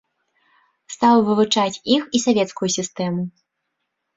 Стаў вывучаць іх і савецкую сістэму.